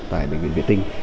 tại bệnh viện vệ tinh